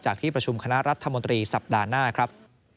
ที่ประชุมคณะรัฐมนตรีสัปดาห์หน้าครับ